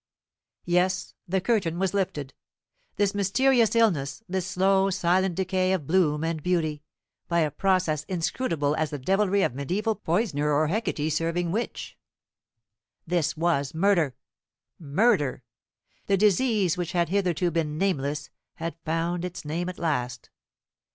Yes, the curtain was lifted. This mysterious illness, this slow silent decay of bloom and beauty, by a process inscrutable as the devilry of medieval poisoner or Hecate serving witch this was murder. Murder! The disease, which had hitherto been nameless, had found its name at last.